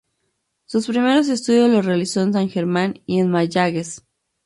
Sus primeros estudios los realizó en San Germán y en Mayagüez.